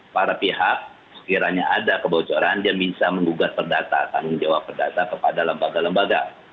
para pihak sekiranya ada kebocoran dia bisa mengugat per data tanggung jawab per data kepada lembaga lembaga